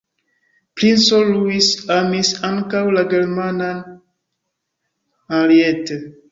Princo Luis amis ankaŭ la germanan Henriette.